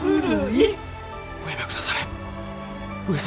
おやめ下され上様。